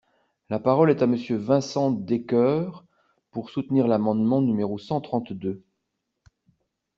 La parole est à Monsieur Vincent Descoeur, pour soutenir l’amendement numéro cent trente-deux.